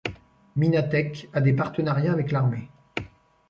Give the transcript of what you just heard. Minatec a des partenariats avec l'armée.